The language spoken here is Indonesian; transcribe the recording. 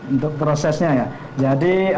untuk prosesnya ya jadi